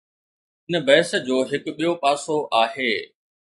هن بحث جو هڪ ٻيو پاسو آهي.